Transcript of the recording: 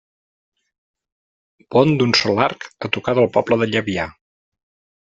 Pont d'un sol arc a tocar del poble de Llabià.